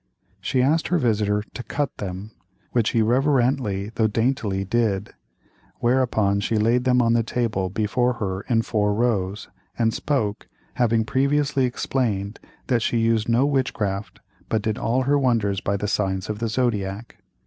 She asked her visitor to "cut" them, which he reverently though daintily did, whereupon she laid them on the table before her in four rows, and spoke, having previously explained that she used no witchcraft but did all her wonders by the signs of the zodiac.